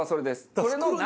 それの何？